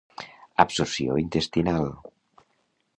Absorció intestinal.